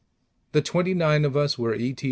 The twenty nine of us were E.T.I.